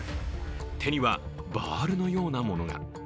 手にはバールのようなものが。